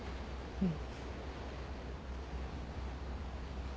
うん。